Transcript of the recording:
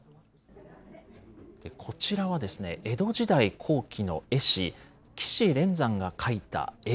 こちらは江戸時代後期の絵師、岸連山が描いた絵。